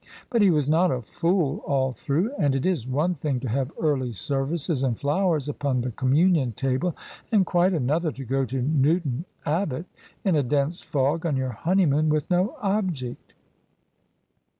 But he was not a fool all through : and it is one thing to have early services and flowers upon the com munion table, and quite another to go to Newton Abbot in a dense fog on your honeymoon with no object."